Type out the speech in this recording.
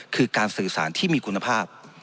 คือการสื่อสารที่มีคุณภาพ